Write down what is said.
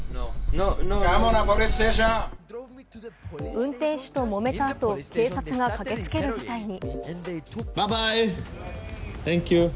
運転手と揉めた後、警察が駆けつける事態に。